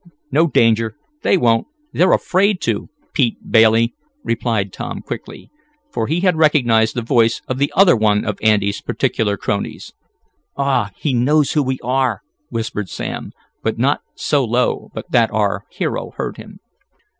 "No danger, they won't. They're afraid to, Pete Bailey," replied Tom quickly, for he had recognized the voice of the other one of Andy's particular cronies. "Aw, he knows who we are," whispered Sam, but not so low but that our hero heard him.